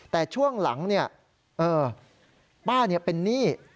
แต่ช่วงหลังป้าเป็นหนี้